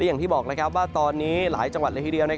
อย่างที่บอกว่าตอนนี้หลายจังหวัดเลยทีเดียว